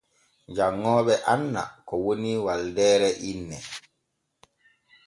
Janŋooɓe anna ko woni waldeere inne.